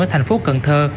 ở thành phố cần thơ